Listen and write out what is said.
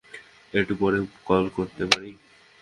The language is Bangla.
একটু পরে কল করতে পারি?